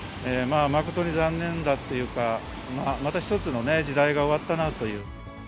誠に残念だというか、また一つのね、時代が終わったなという。